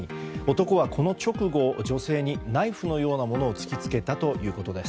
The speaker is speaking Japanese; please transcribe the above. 男はこの直後、女性にナイフのようなものを突き付けたということです。